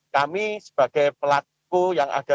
kami sebagai pelaku yang ada